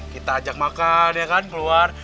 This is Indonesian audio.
kita ajak makan ya kan keluar